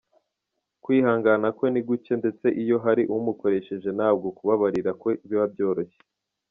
Kwihangana kwe ni guke ndetse iyo hari umukoshereje ntabwo kubabarira kwe biba byoroshye.